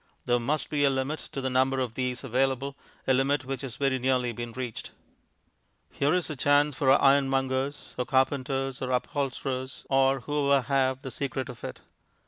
There must be a limit to the number of these available, a limit which has very nearly been reached. Here is a chance for our ironmongers (or carpenters, or upholsterers, or whoever have the secret of it).